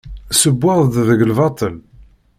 Ssewweɣ-d deg lbaṭel?